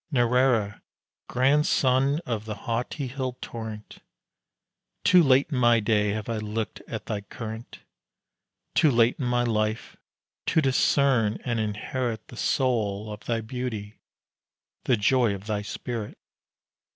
Narrara! grand son of the haughty hill torrent, Too late in my day have I looked at thy current Too late in my life to discern and inherit The soul of thy beauty, the joy of thy spirit!